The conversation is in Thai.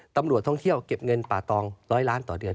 ตำรวจท่องเที่ยวเก็บเงินป่าตองร้อยล้านต่อเดือน